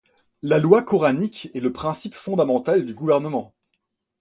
La loi coranique est le principe fondamental du gouvernement.